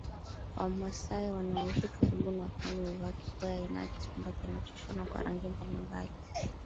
Wamasai wanaoishi karibu na pwani huvaa kikoi aina ya kitambaa kinachoshonwa kwa rangi mbalimbali